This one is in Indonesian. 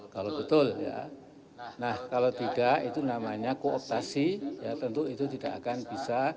kalau betul ya nah kalau tidak itu namanya kooptasi ya tentu itu tidak akan bisa